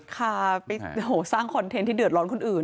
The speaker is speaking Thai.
ค่ะไปสร้างคอนเทนต์ที่เดือดร้อนคนอื่น